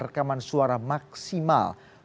rekaman suara maksimal